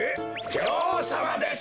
じょおうさまです！